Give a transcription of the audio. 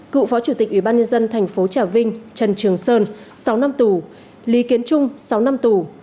cựu phó chủ tịch ủy ban nhân dân thành phố trà vinh trần trường sơn sáu năm tù lý kiến trung sáu năm tù